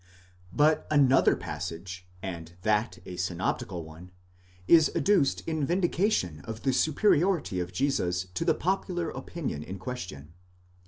But another passage, and that a synoptical one, is adduced in vindication of the superiority of Jesus to the popular opinion in question.